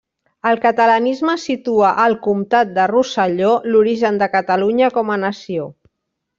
El catalanisme situa al comtat de Rosselló l'origen de Catalunya com a nació.